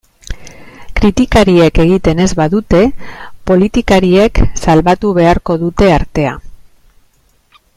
Kritikariek egiten ez badute, politikariek salbatu beharko dute artea.